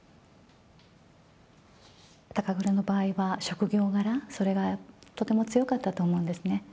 高倉の場合は、職業柄、それがとても強かったと思うんですね。